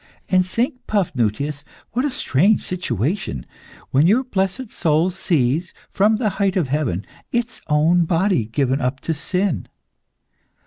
And think, Paphnutius, what a strange situation when your blessed soul sees, from the height of heaven, its own body given up to sin.